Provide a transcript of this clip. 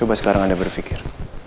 coba sekarang anda berpikir